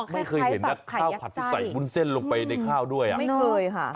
ไม่เคยเห็นนะข้าวผัดที่ใส่วุ้นเส้นลงไปในข้าวด้วยอ่ะไม่เคยค่ะ